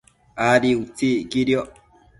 Adi utsi iquidioc